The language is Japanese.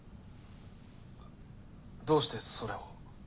どうしてそれを。